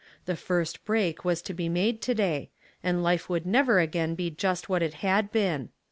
The first oreak was to be made to day, and life would never be again just what it had been.